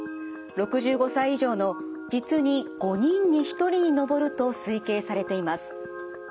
６５歳以上の実に５人に１人に上ると推計されています。